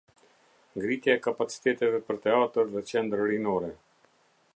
Ngritja e kapaciteteve për teatër dhe qendër rinore